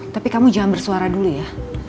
tapi kamu jangan bersuara dulu ya